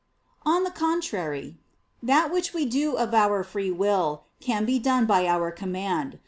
On the contrary, That which we do of our free will, can be done by our command.